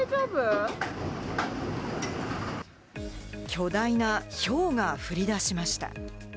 巨大なひょうが降り出しました。